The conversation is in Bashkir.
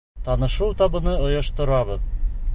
Танышыу табыны ойошторабыҙ!